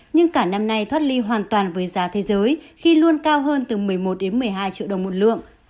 nhưng cả năm nay thoát ly hoàn toàn với giá thế giới khi luôn cao hơn từ một mươi một một mươi hai triệu đồng một lượng